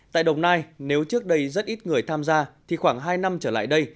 tại đồng nai nếu trước đây rất ít người tham gia thì khoảng hai năm trở lại đây